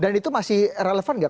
dan itu masih relevan gak